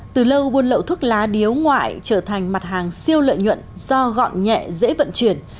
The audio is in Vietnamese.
từ lâu buôn lậu thuốc lá điếu ngoại trở thành mặt hàng siêu lợi nhuận do gọn nhẹ dễ vận chuyển